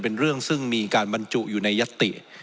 เป็นเรื่องซึ่งมีการบรรจุอยู่ในยัตติ